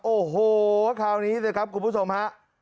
โอ้โหคราวนี้สิครับคุณผู้ชมฮะ